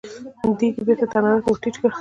دېګ يې بېرته تناره ته ور ټيټ کړ.